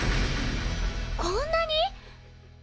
こんなに！？